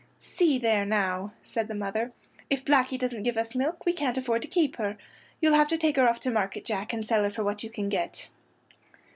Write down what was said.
"See there now!" said the mother. "If Blackey doesn't give us milk we can't afford to keep her. You'll have to take her off to market, Jack, and sell her for what you can get."